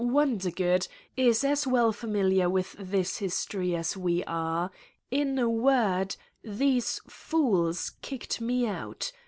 Wondergood is as well familiar with this history as we are. In a word, these fools kicked me out.